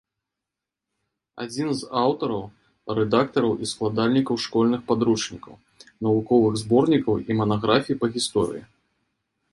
Адзін з аўтараў, рэдактараў і складальнікаў школьных падручнікаў, навуковых зборнікаў і манаграфій па гісторыі.